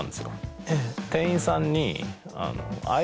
店員さんに。